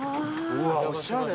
うわおしゃれ。